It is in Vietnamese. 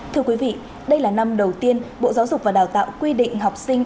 thưa quý vị đây là năm đầu tiên bộ giáo dục và đào tạo quy định học sinh